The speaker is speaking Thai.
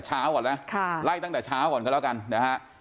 เช้าก่อนนะค่ะไล่ตั้งแต่เช้าก่อนกันแล้วกันนะฮะอ่า